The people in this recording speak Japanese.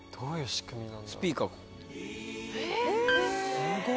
すごい！